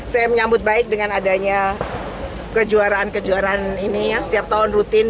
saya menyambut baik dengan adanya kejuaraan kejuaraan ini ya setiap tahun rutin